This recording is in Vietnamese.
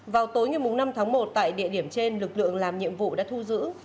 vào tối ngày năm tháng một tại địa điểm trên lực lượng làm nhiệm vụ đã thu giữ